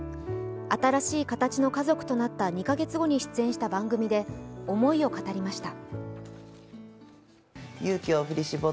新しい形の家族となった２か月後に出演した番組で思いを語りました。